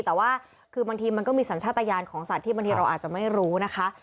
แต่ว่าคือบางทีมันก็มีสัญชาติยานของสัตว์ที่บางทีเราอาจจะไม่รู้นะคะ